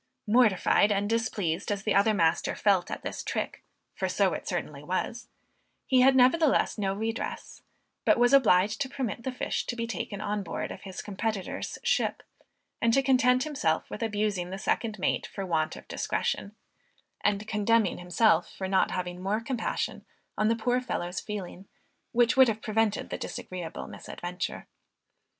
Mortified and displeased as the other master felt at this trick, for so it certainly was, he had nevertheless no redress, but was obliged to permit the fish to be taken on board of his competitor's ship, and to content himself with abusing the second mate for want of discretion, and condemning himself for not having more compassion on the poor fellow's feeling, which would have prevented the disagreeable misadventure.